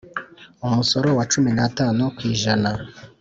Umusoro wa cumi n atanu ku ijana